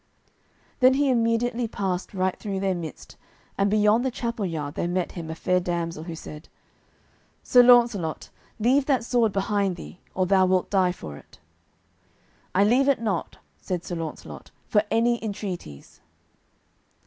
Then he immediately passed right through their midst, and beyond the chapel yard there met him a fair damsel, who said, "Sir Launcelot, leave that sword behind thee, or thou wilt die for it." "I leave it not," said Sir Launcelot, "for any entreaties."